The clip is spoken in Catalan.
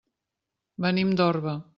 Venim d'Orba.